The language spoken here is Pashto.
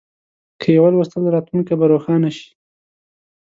که یې ولوستل، راتلونکی به روښانه شي.